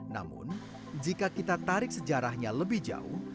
namun jika kita tarik sejarahnya lebih jauh